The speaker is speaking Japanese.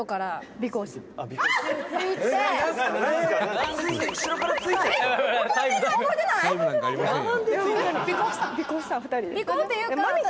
「尾行した２人で」